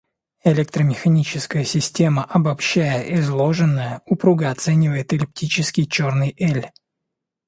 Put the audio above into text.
Электромеханическая система, обобщая изложенное, упруго оценивает эллиптический черный эль.